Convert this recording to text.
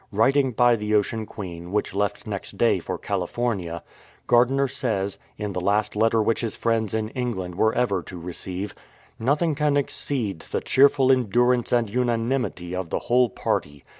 Writing by the Ocean Queen, which left next day for California, Gardiner says, in the last letter which his friends in England were ever to receive :" Nothing can exceed the cheerful endurance and unanimity of the whole party.